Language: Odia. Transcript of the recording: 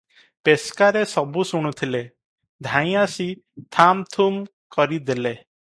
ପେସ୍କାରେ ସବୁ ଶୁଣୁଥିଲେ, ଧାଇଁ ଆସି ଥାମ ଥୁମ କରି ଦେଲେ ।